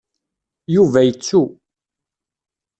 Yuba yettu.